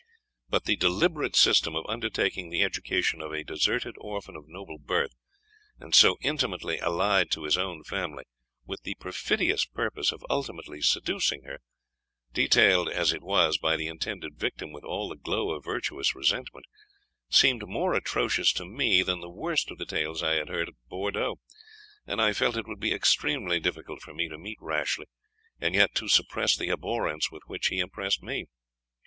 But the deliberate system of undertaking the education of a deserted orphan of noble birth, and so intimately allied to his own family, with the perfidious purpose of ultimately seducing her, detailed as it was by the intended victim with all the glow of virtuous resentment, seemed more atrocious to me than the worst of the tales I had heard at Bourdeaux, and I felt it would be extremely difficult for me to meet Rashleigh, and yet to suppress the abhorrence with which he impressed me.